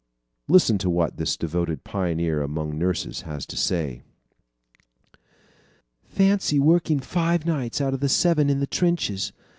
Listen to what this devoted pioneer among nurses has to say: "Fancy working five nights out of seven in the trenches.